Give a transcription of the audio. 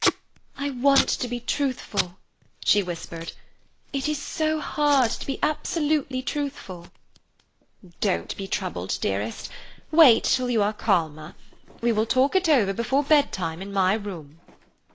"I want to be truthful," she whispered. "It is so hard to be absolutely truthful." "Don't be troubled, dearest. Wait till you are calmer. We will talk it over before bed time in my room."